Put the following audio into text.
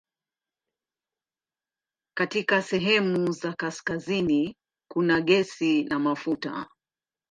Katika sehemu za kaskazini kuna gesi na mafuta.